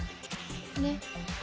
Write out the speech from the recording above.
ねっ。